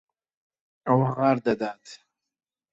ئەو غار دەدات.